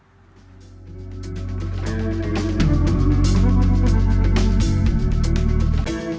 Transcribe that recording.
terima kasih sudah tonton